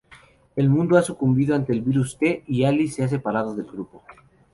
El mundo ha sucumbido ante el Virus-T, y Alice se ha separado del grupo.